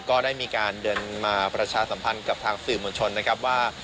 ก็ได้มีการเดินมาประชาสัมพันธ์กับทางสื่อมวลชนนะครับว่า